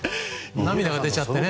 涙が出ちゃって。